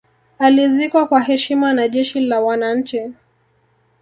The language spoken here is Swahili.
alizikwa kwa heshima na jeshi la wananchi